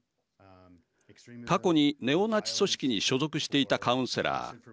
過去にネオナチ組織に所属していたカウンセラー。